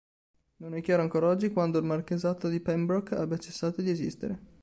Non è chiaro ancora oggi quando il marchesato di Pembroke abbia cessato di esistere.